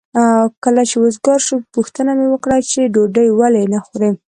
کله چې وزګار شو پوښتنه مې وکړه چې ډوډۍ ولې نه خورې؟